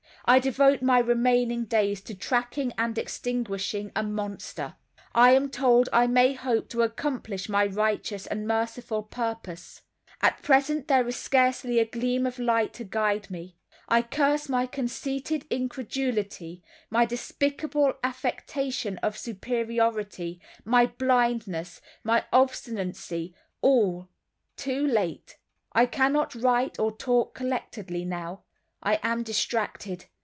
I devote my remaining days to tracking and extinguishing a monster. I am told I may hope to accomplish my righteous and merciful purpose. At present there is scarcely a gleam of light to guide me. I curse my conceited incredulity, my despicable affectation of superiority, my blindness, my obstinacy—all—too late. I cannot write or talk collectedly now. I am distracted.